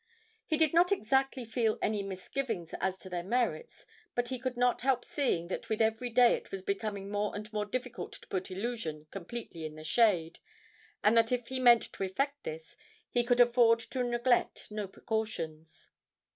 He did not exactly feel any misgivings as to their merits, but he could not help seeing that with every day it was becoming more and more difficult to put 'Illusion' completely in the shade, and that if he meant to effect this, he could afford to neglect no precautions.